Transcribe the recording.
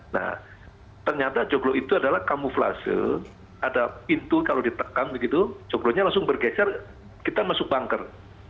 nah ternyata joglo itu adalah kamuflase ada pintu kalau ditekam begitu joglonya langsung bergeser kita masuk banker